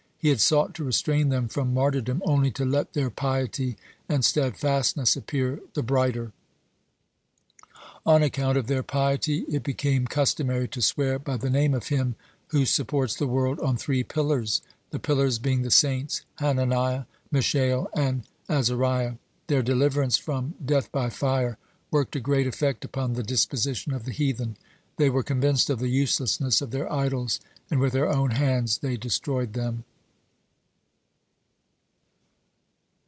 He had sought to restrain them from martyrdom only to let their piety and steadfastness appear the brighter. On account of their piety it became customary to swear by the Name of Him who supports the world on three pillars, the pillars being the saints Hananiah, Mishael, and Azariah. Their deliverance from death by fire worked a great effect upon the disposition of the heathen. They were convinced of the uselessness of their idols, and with their own hands they destroyed them.